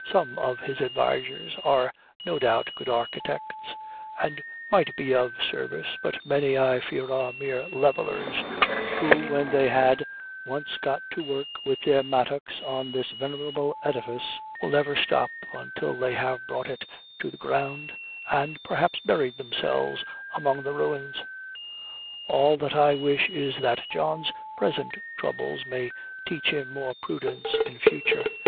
Some of his advisers are no doubt good architects, that might be of service; but many, I fear, are mere levelers, who, when they had once got to work with their mattocks on this venerable edifice, would never stop until they had brought it to the ground, and perhaps buried themselves among the ruins. All that I wish is, that John's present troubles may teach him more prudence in future.